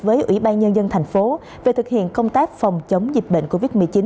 với ủy ban nhân dân thành phố về thực hiện công tác phòng chống dịch bệnh covid một mươi chín